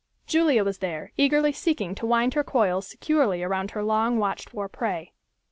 Julia was there, eagerly seeking to wind her coils securely around her long watched for prey.